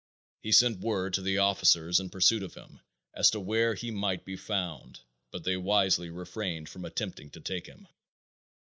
He sent word to the officers in pursuit of him as to where he might be found, but they wisely refrained from attempting to take him.